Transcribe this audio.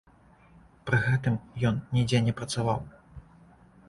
Пры гэтым ён нідзе не працаваў.